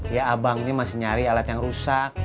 ya abang ini masih nyari alat yang rusak